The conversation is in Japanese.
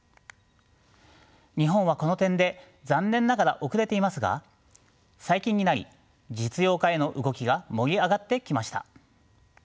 日本はこの点で残念ながら遅れていますが最近になり実用化への動きが盛り上がってきました。